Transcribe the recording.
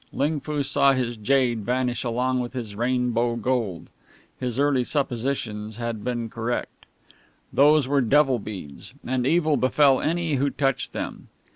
Ling Foo saw his jade vanish along with his rainbow gold. His early suppositions had been correct. Those were devil beads, and evil befell any who touched them.